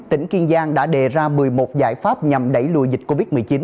tỉnh kiên giang đã đề ra một mươi một giải pháp nhằm đẩy lùi dịch covid một mươi chín